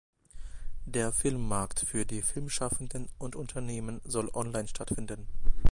Der Filmmarkt für die Filmschaffenden und Unternehmen soll online stattfinden.